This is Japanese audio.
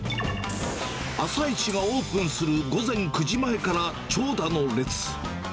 朝市がオープンする午前９時前から長蛇の列。